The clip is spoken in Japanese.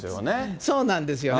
そうなんですよね、